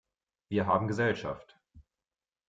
Wir haben Gesellschaft!